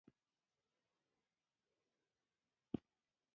د ژبې پرمختګ د ټولنې پرمختګ دی.